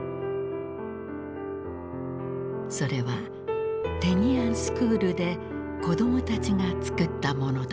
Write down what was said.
それはテニアンスクールで子供たちが作ったものだった。